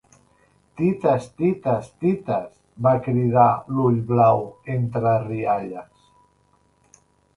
Tites, tites, tites —va cridar l'ullblau, entre rialles.